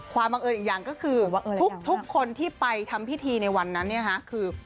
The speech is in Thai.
ความเอ่ออื่นอีกอย่างทุกคนที่ไปทำพิธีในวันนั้นคือ